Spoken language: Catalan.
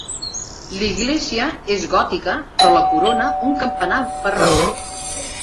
L'església és gòtica però la corona un campanar barroc.